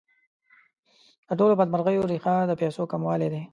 د ټولو بدمرغیو ریښه د پیسو کموالی دی.